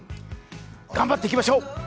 頑張っていきましょう。